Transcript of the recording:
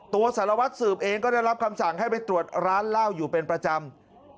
สารวัตรสืบเองก็ได้รับคำสั่งให้ไปตรวจร้านเหล้าอยู่เป็นประจำ